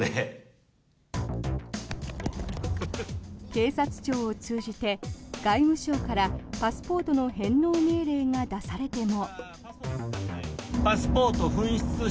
警察庁を通じて、外務省からパスポートの返納命令が出されても。